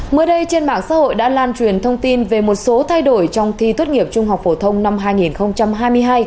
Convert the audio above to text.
mới đây trên mạng xã hội đã lan truyền thông tin về một số thay đổi trong thi tốt nghiệp trung học phổ thông năm hai nghìn hai mươi hai